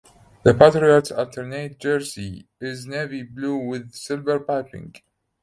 The Patriots alternate jersey is navy blue with silver piping.